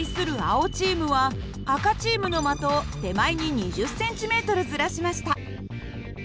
青チームは赤チームの的を手前に２０ｃｍずらしました。